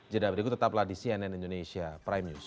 jeda berikut tetaplah di cnn indonesia prime news